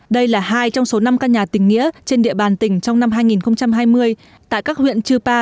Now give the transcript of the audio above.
đây là hai trong số năm căn nhà tình nghĩa trên địa bàn tỉnh trong năm hai nghìn hai mươi tại các huyện chư pa